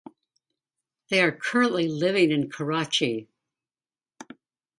They are currently living in Karachi.